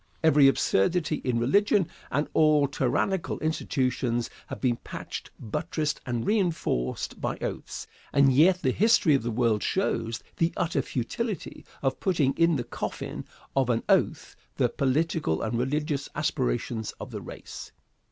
Every absurdity in religion, and all tyrannical institutions, have been patched, buttressed, and reinforced by oaths; and yet the history of the world shows the utter futility of putting in the coffin of an oath the political and religious aspirations of the race.